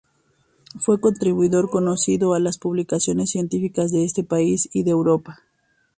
Fue contribuidor conocido a las publicaciones científicas de este país y de Europa.